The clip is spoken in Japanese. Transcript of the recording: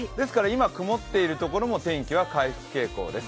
今、曇っているところも、天気は回復傾向です。